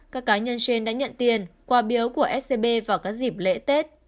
các cá nhân trên đã nhận tiền quà biếu của scb vào các dịp lễ tết